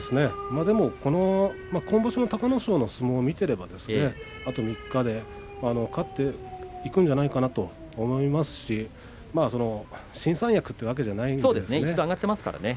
今場所の隆の勝の相撲を見ていればあと３日で勝っていくんじゃないかなと思いますし新三役というわけでは一度上がっていますからね。